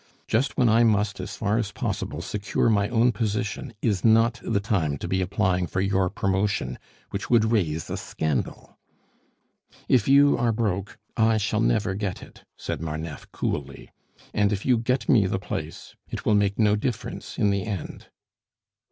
Just when I must, as far as possible, secure my own position, is not the time to be applying for your promotion, which would raise a scandal." "If you are broke, I shall never get it," said Marneffe coolly. "And if you get me the place, it will make no difference in the end."